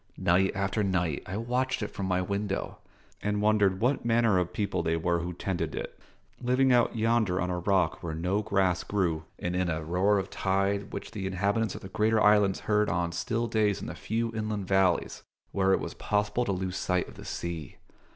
Night after night I watched it from my window, and wondered what manner of people they were who tended it, living out yonder on a rock where no grass grew, and in a roar of tide which the inhabitants of the greater islands heard on still days in the few inland valleys where it was possible to lose sight of the sea.